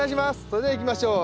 それではいきましょう。